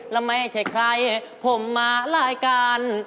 แล้วไม่ใช่ใครผมมารายการ